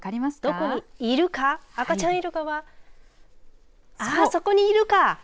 どこにいるか赤ちゃんいるかはそこにいるか。